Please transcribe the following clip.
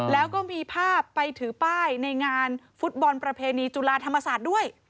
แล้วก็มีภาพไปถือป้ายในงานฟุตบอลประเพณีจุฬาธรรมศาสตร์ด้วย